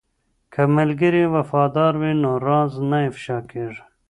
که ملګری وفادار وي نو راز نه افشا کیږي.